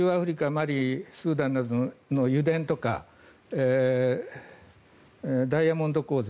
マリ、スーダンなどの油田とかダイヤモンド鉱山